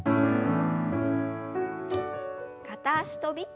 片足跳び。